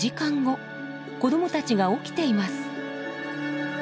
子どもたちが起きています。